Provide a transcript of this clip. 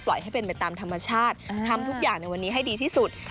ให้เป็นไปตามธรรมชาติทำทุกอย่างในวันนี้ให้ดีที่สุด